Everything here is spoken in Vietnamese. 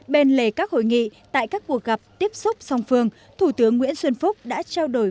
bên lề các hội nghị tại các cuộc gặp tiếp xúc song phương thủ tướng nguyễn xuân phúc đã trao đổi